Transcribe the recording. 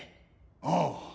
ああ。